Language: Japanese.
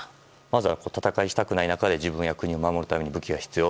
戦いをしたくない中で自分の国を守るために武器が必要。